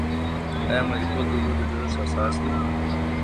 آیا مالیکول د اوبو د جوړښت اساس دی؟